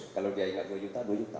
kalau dia ingat dua juta dua juta